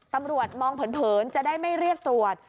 ตำรวจมองเผินจะได้ไม่เรียกตรวจ